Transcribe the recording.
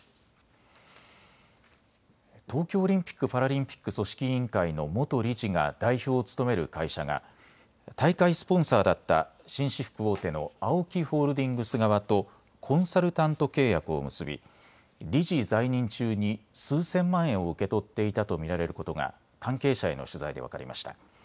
東京オリンピック・パラリンピック組織委員会の元理事が代表を務める会社が大会スポンサーだった紳士服大手のＡＯＫＩホールディングス側とコンサルタント契約を結び理事在任中に数千万円を受け取っていたと見られることが関係者への取材で分かりました。